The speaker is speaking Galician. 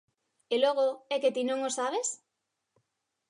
E logo, e que ti non o sabes?